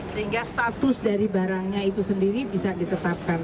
sehingga status dari barangnya itu sendiri bisa ditetapkan